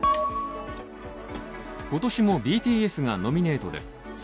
今年もＢＴＳがノミネートです。